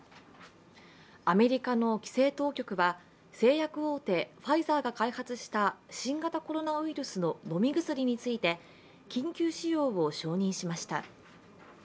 アメリカの規制当局は製薬大手ファイザーが開発した新型コロナウイルスの飲み薬について緊急使用を承認しました。